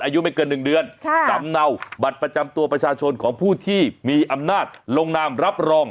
อายุไม่เกิน๑เดือนจำเนาบัตรประจำตัวประชาชนของผู้ที่มีอำนาจลงนามรับรอง